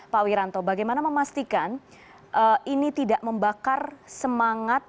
pak wiranto bagaimana memastikan ini tidak membakar semangat